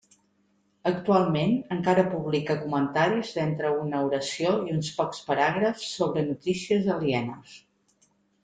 Actualment, encara publica comentaris d'entre una oració i uns pocs paràgrafs sobre notícies alienes.